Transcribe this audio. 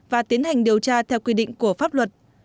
và tiến hành điều tra theo quy định của pháp luật